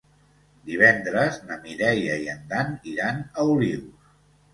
Divendres na Mireia i en Dan iran a Olius.